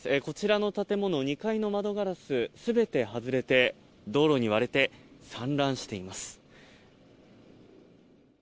こちらの建物２階の窓ガラス、全て外れて道路に割れて散乱しています。